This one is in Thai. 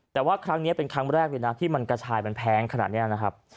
แต่ว่าครั้งนี้เป็นครั้งแรกเลยนะที่มันกระชายมันแพงขนาดนี้นะครับ